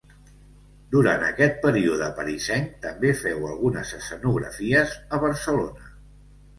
Durant aquest període parisenc també feu algunes escenografies a Barcelona.